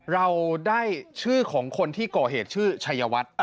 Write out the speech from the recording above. เราได้ชื่อของคนที่ก่อเหตุชื่อชัยวัฒน์